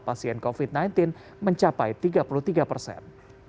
pasien covid sembilan belas mencapai tiga puluh tiga persen